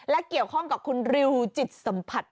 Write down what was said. และเกี่ยวข้องกับคุณริวจิตสัมผัส